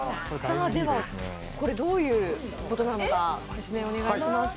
これはどういうことなのか説明をお願いします。